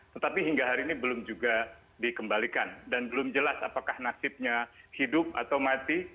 tetapi hingga hari ini belum juga dikembalikan dan belum jelas apakah nasibnya hidup atau mati